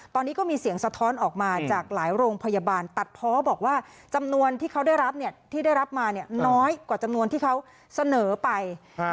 ตอนนี้ก็มีเสียงสะท้อนออกมาจากหลายโรงพยาบาลตัดเพาะบอกว่าจำนวนที่เขาได้รับเนี่ยที่ได้รับมาเนี่ยน้อยกว่าจำนวนที่เขาเสนอไป